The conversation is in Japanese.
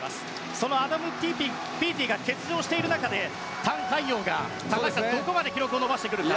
そのアダム・ピーティが欠場している中でタン・カイヨウが高橋さん、どこまで記録を伸ばすか。